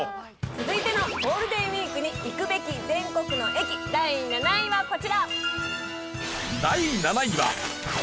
続いてのゴールデンウィークに行くべき全国の駅第７位はこちら。